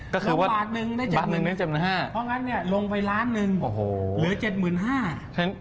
และถูกลงไปถึงได้๗๕๐๐๐บาทลงไปล้านหนึ่งเหลือ๗๕๐๐๐บาท